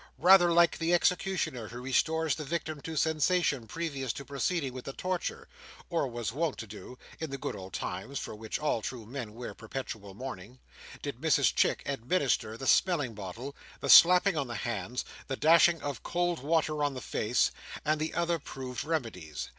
Rather like the executioner who restores the victim to sensation previous to proceeding with the torture (or was wont to do so, in the good old times for which all true men wear perpetual mourning), did Mrs Chick administer the smelling bottle, the slapping on the hands, the dashing of cold water on the face, and the other proved remedies.